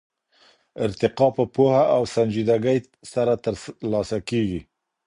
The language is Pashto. ارتقا په پوهه او سنجيدګۍ سره ترلاسه کېږي.